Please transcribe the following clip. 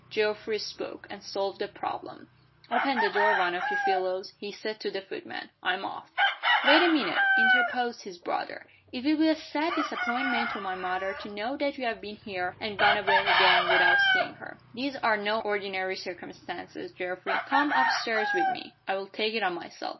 Geoffrey spoke, and solved the problem "Open the door, one of you fellows," he said to the footmen. "I'm off." "Wait a minute," interposed his brother. "It will be a sad disappointment to my mother to know that you have been here, and gone away again without seeing her. These are no ordinary circumstances, Geoffrey. Come up stairs with me I'll take it on myself."